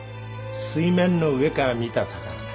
水面の上から見た魚だ。